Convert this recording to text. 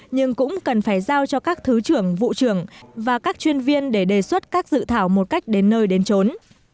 nhưng cũng cần phải giao cho các thứ trưởng vụ trưởng và các chuyên viên để đề xuất các dự thảo một cách đến nơi đến trốn